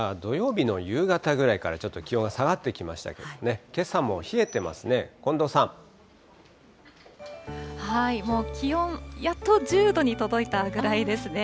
土曜日の夕方ぐらいからちょっと気温が下がってきましたけれどもね、けさも冷えてますね、近もう気温、やっと１０度に届いたぐらいですね。